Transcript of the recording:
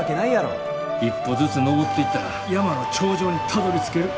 一歩ずつ登っていったら山の頂上にたどりつける。